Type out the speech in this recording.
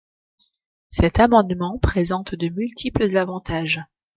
Cet amendement présente de multiples avantages.